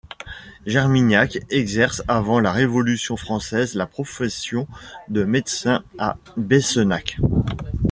Germignac exerce avant la Révolution française la profession de médecin à Beyssenac.